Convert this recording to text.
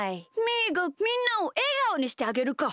みーがみんなをえがおにしてあげるか！